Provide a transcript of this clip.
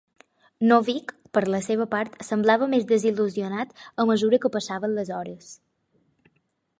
Novick, per la seva part, semblava més desil·lusionat a mesura que passaven les hores.